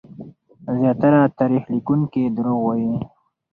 زياتره تاريخ ليکونکي دروغ وايي.